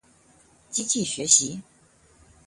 機器學習